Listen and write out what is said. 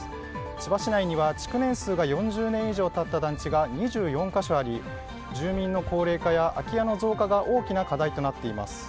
千葉市内には、築年数が４０年以上経った団地が２４か所あり住民の高齢化や空き家の増加が大きな課題となっています。